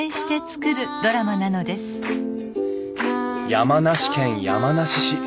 山梨県山梨市。